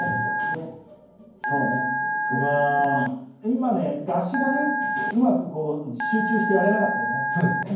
今ね合撃がねうまくこう集中してやれなかったよね。